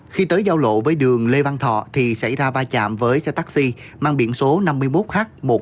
khi tới giao lộ với đường lê văn thọ xảy ra va chạm với xe taxi mang biển số năm mươi một h một mươi năm nghìn sáu trăm hai mươi bảy